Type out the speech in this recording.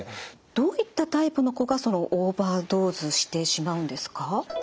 どういったタイプの子がそのオーバードーズしてしまうんですか？